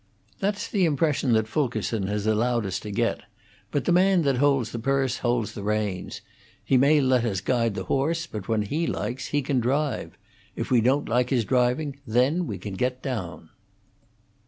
"That's the impression that Fulkerson has allowed us to get. But the man that holds the purse holds the reins. He may let us guide the horse, but when he likes he can drive. If we don't like his driving, then we can get down."